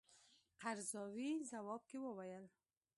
قرضاوي ځواب کې وویل.